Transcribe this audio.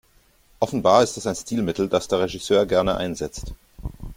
Offenbar ist es ein Stilmittel, das der Regisseur gerne einsetzt.